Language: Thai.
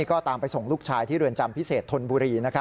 ก็ตามไปส่งลูกชายที่เรือนจำพิเศษธนบุรี